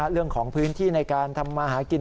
เรื่องของพื้นที่ในการทำมาหากิน